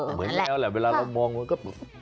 เหมือนแมวแหละเวลาเรามองกันก็